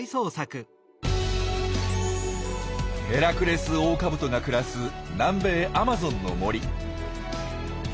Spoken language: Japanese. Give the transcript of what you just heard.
ヘラクレスオオカブトが暮らす南米アマゾンの森。